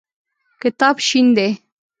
کتاب شین دی.